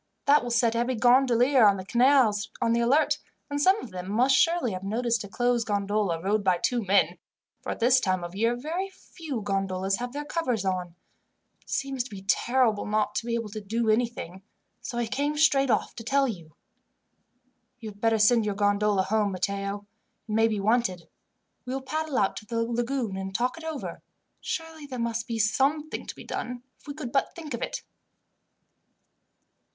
That will set every gondolier on the canals on the alert, and some of them must surely have noticed a closed gondola rowed by two men, for at this time of year very few gondolas have their covers on. It seems to be terrible not to be able to do anything, so I came straight off to tell you." "You had better send your gondola home, Matteo. It may be wanted. We will paddle out to the lagoon and talk it over. Surely there must be something to be done, if we could but think of it.